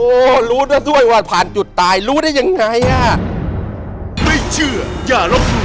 โอ้รู้ได้ด้วยว่าพันจุดตายรู้ได้ยังไงอ่ะ